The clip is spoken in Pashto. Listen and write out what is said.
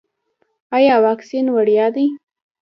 ایا واکسین وړیا دی؟